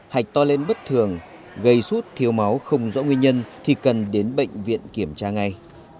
hạch to lên bất thường gây suốt thiếu máu không rõ nguyên nhân thì cần đến bệnh viện kiểm tra ngay